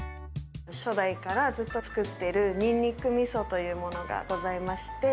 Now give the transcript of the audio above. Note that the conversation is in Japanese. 初代からずっと作っているにんにく味噌というものがございまして。